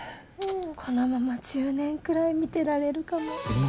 このまま１０年くらい見てられるかも。